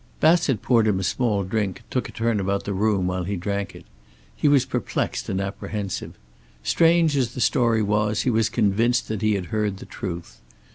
Bassett poured him a small drink, and took a turn about the room while he drank it. He was perplexed and apprehensive. Strange as the story was, he was convinced that he had heard the truth.